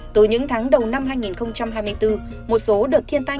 từ những tháng đầu năm hai nghìn hai mươi bốn một số đợt thiên tai